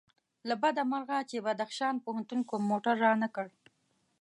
له بده مرغه چې بدخشان پوهنتون کوم موټر رانه کړ.